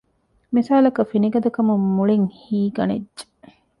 މިސާލަކަށް ފިނިގަދަކަމުން މުޅިން ހީގަނެއްޖެ